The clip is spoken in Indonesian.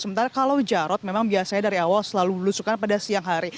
sementara kalau jarod memang biasanya dari awal selalu berlusukan pada siang hari